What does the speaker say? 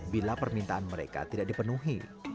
bila permintaan mereka tidak dipenuhi